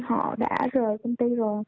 họ đã rời công ty rồi